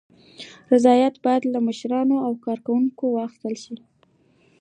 رضایت باید له مشتریانو او کارکوونکو واخیستل شي.